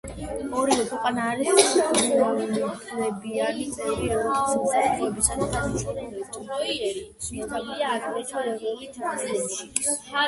ორივე ქვეყანა არის სრულუფლებიანი წევრი ევროპის უსაფრთხოებისა და თანამშრომლობის ორგანიზაციის და დამოუკიდებელ სახელმწიფოთა თანამეგობრობის.